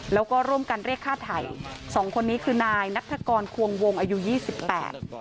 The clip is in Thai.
แล้วก็ร่วมกันเรียกฆ่าไถ่สองคนนี้คือนายนัฐกรควงวงอายุยี่สิบแปด